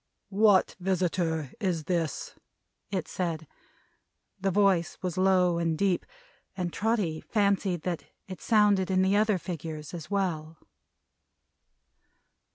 "What visitor is this?" it said. The voice was low and deep, and Trotty fancied that it sounded in the other figures as well.